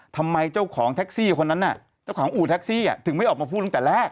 ทำไมเจ้าของแท็กซี่คนนั้นน่ะเจ้าของอู่แท็กซี่ถึงไม่ออกมาพูดตั้งแต่แรก